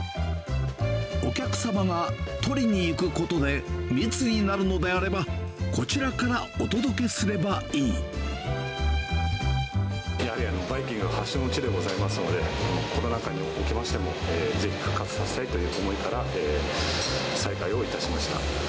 お客様が取りに行くことで密になるのであれば、こちらからお届けやはりバイキング発祥の地でございますので、コロナ禍におきましても、ぜひ復活させたいという思いから、再開をいたしました。